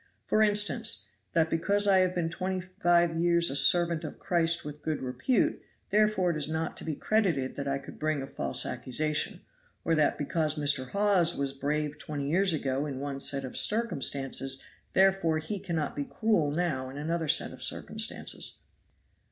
For instance, that because I have been twenty five years a servant of Christ with good repute, therefore it is not to be credited I could bring a false accusation; or that because Mr. Hawes was brave twenty years ago in one set of circumstances, therefore he cannot be cruel now in another set of circumstances."